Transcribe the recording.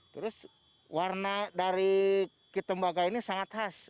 terus warna dari kitembagah ini sangat khas